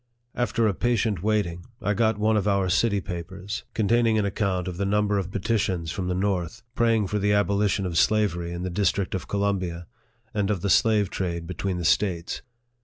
After a patient waiting, I got one of our city papers, contain 42 NARRATIVE OF THE ing an account of the number of petitions from the north, praying for the abolition of slavery in the Dis trict of Columbia, arid of the slave trade between the States.